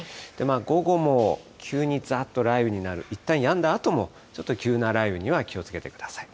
午後も急にざっと雷雨になる、いったんやんだあとも、ちょっと急な雷雨には気をつけてください。